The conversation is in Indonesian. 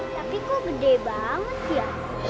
tapi kok gede banget ya